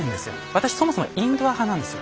私そもそもインドア派なんですよ。